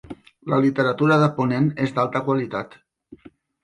La literatura de Ponent és d'alta qualitat.